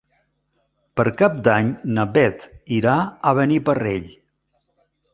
Per Cap d'Any na Beth irà a Beniparrell.